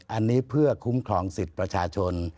อันนี้เพื่อคุ้มครองสิทธิ์ประชาชน